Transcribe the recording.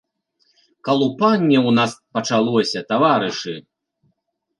Калупанне ў нас пачалося, таварышы!